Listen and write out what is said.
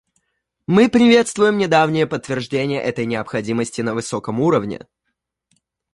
Мы приветствуем недавнее подтверждение этой необходимости на высоком уровне.